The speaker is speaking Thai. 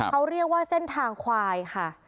เขาเรียกว่าเส้นทางควายค่ะ